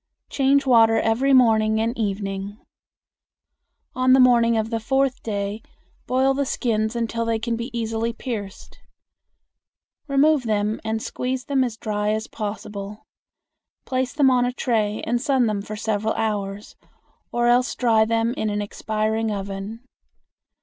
Change water every morning and evening. On the morning of the fourth day boil the skins until they can be easily pierced. Remove them and squeeze them as dry as possible. Place them on a tray and sun them for several hours, or else dry them in an expiring oven.